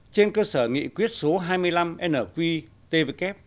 trên cơ sở nghị quyết số hai mươi năm nqtvk